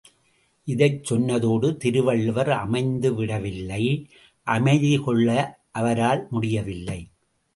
இதைச் சொன்னதோடு திருவள்ளுவர் அமைந்துவிடவில்லை அமைதிகொள்ள அவரால் முடிய வில்லை.